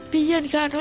saya mencintai bola